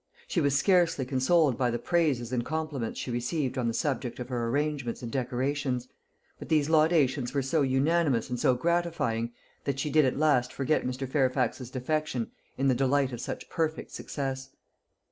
She was scarcely consoled by the praises and compliments she received on the subject of her arrangements and decorations; but these laudations were so unanimous and so gratifying, that she did at last forget Mr. Fairfax's defection in the delight of such perfect success.